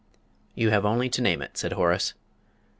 "You have only to name it," said Horace.